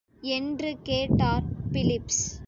என்று கேட்டார் பிலிப்ஸ்.